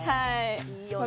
いいよね。